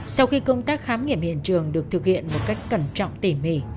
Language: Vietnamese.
sau khi công tác khám nghiệm hiện trường được thực hiện một cách cẩn trọng tỉ mỉ